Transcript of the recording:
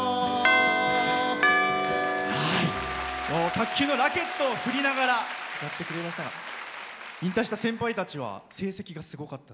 卓球のラケットを振りながら歌ってくれましたが引退した先輩たちは成績がすごかった？